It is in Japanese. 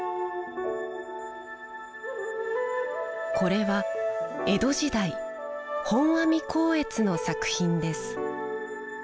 これは江戸時代本阿弥光悦の作品です。